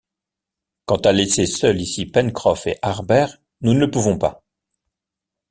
Quant à laisser seuls ici Pencroff et Harbert, nous ne le pouvons pas!...